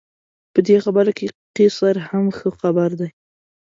په دې خبره قیصر هم ښه خبر دی.